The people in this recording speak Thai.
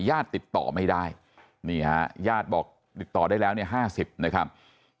ยาดติดต่อไม่ได้นี่ฮะยาดบอกติดต่อได้แล้วเนี่ยห้าสิบนะครับอ่า